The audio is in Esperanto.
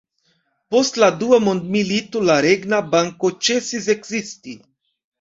Post la dua mondmilito la Regna Banko ĉesis ekzisti.